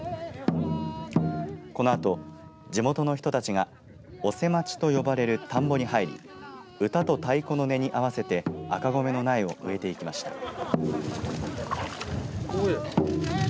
このあと地元の人たちがオセマチと呼ばれる田んぼに入り歌と太鼓の音に合わせて赤米の苗を植えていきました。